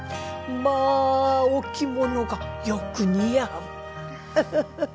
まあお着物がよく似合うハハハ